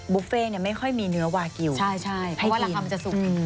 บุฟเฟ่เนี่ยไม่ค่อยมีเนื้อวากิวส์ใช่เพราะราคามันจะสุก